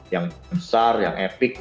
yang besar yang epic